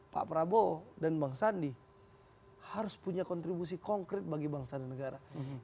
pak prabowo dan bang sandi harus punya kontribusi konkret bagi bangsa dan negara